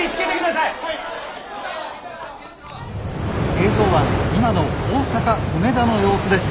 「映像は今の大阪・梅田の様子です。